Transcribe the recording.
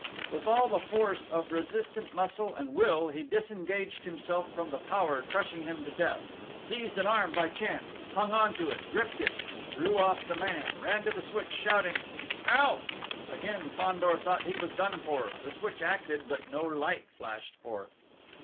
With all the force of resistant muscle and will he disengaged himself from the power crushing him to death; seized an arm by chance, hung on to it, gripped it, threw off the man, ran to the switch, shouting: "Help!" Again, Fandor thought he was done for: the switch acted, but no light flashed forth!